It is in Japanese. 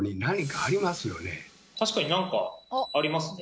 確かに何かありますね。